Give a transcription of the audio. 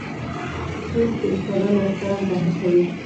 کورس د استادانو احترام ته هڅوي.